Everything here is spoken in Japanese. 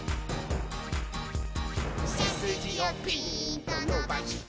「せすじをピーンとのばして」